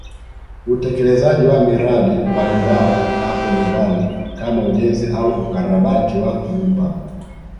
Utekelezaji wa miradi mbalimbali hapo nyumbani kama ujenzi au ukarabati wa nyumba